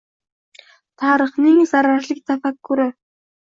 Tarixning zararlik takarruri